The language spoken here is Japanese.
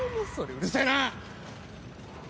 うるせえな！